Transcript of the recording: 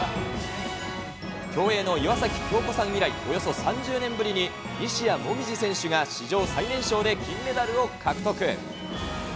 競泳の岩崎恭子さん以来、およそ３０年ぶりに、西矢椛選手が史上最年少で金メダルを獲得。